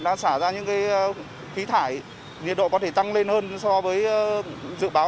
đã xả ra những khí thải nhiệt độ có thể tăng lên hơn so với dự báo